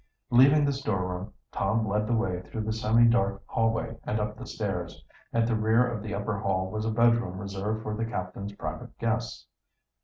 Leaving the storeroom, Tom led the way through the semi dark hallway and up the stairs. At the rear of the upper hall was a bedroom reserved for the captain's private guests.